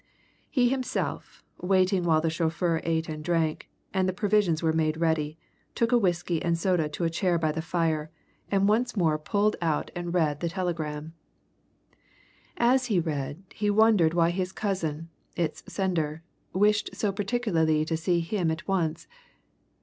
He himself, waiting while the chauffeur ate and drank, and the provisions were made ready, took a whisky and soda to a chair by the fire, and once more pulled out and read the telegram. And as he read he wondered why his cousin, its sender, wished so particularly to see him at once.